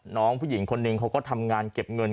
น้องผู้หญิงคนหนึ่งเขาก็ทำงานเก็บเงิน